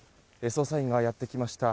捜査員がやってきました。